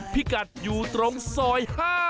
พี่กัดอยู่ตรงซอย๕